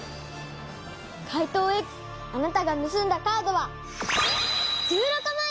怪盗Ｘあなたがぬすんだカードは１６まいだ！